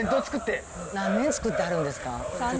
何年つくってはるんですか？